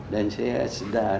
dan saya sedar